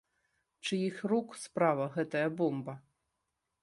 Чыіх рук справа гэтая бомба?